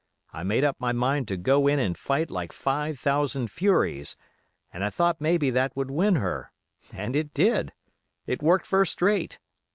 I made up my mind to go in and fight like five thousand furies, and I thought maybe that would win her, and it did; it worked first rate.